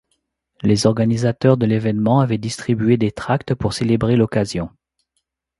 Les organisateurs de l'événement avaient distribué des tracts pour célébrer l'occasion.